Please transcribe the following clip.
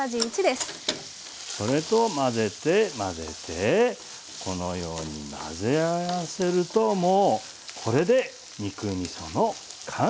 それと混ぜて混ぜてこのように混ぜ合わせるともうこれで肉みその完成になります。